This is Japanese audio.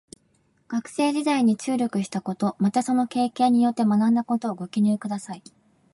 学生時代に注力したこと、またその経験によって学んだことをご記入ください。